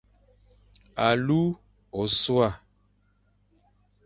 Alu ôsua.